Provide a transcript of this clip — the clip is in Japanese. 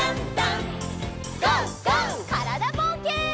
からだぼうけん。